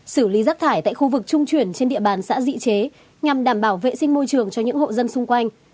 xử lý rác thải tại khu vực trung chuyển trên địa bàn xã dị chế nhằm đảm bảo vệ sinh môi trường cho những hộ dân xung quanh